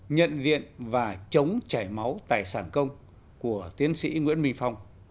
nhận diện và chống chảy máu tài sản công của tiến sĩ nguyễn minh phong